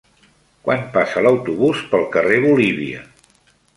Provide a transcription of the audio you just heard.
Quan passa l'autobús pel carrer Bolívia?